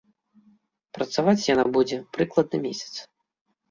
Працаваць яна будзе прыкладна месяц.